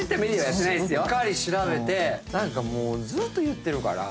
しっかり調べてもうずっと言ってるから。